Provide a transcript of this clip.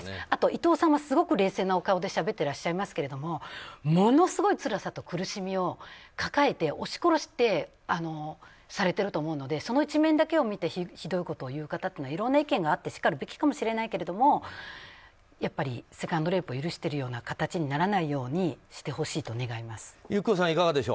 あと伊藤さんはすごく冷静なお顔でしゃべっていらっしゃいますけどものすごいつらさと苦しみを抱えて押し殺してされていると思うのでその一面だけを見てひどいことを言う人はいろんな意見があってしかるべきかもしれないけどセカンドレイプを許しているような形にならないようにしてほしいと願います。